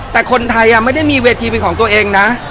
แต่คนไทยไม่ได้มีเวทีเป็นของตัวเองนะ